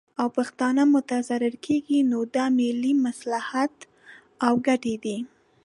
او پښتانه متضرر کیږي، نو دا ملي مصلحت او ګټې دي